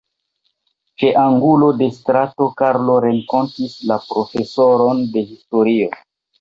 Ĉe angulo de strato Karlo renkontis la profesoron de historio.